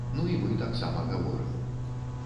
Ну і мы таксама гаворым.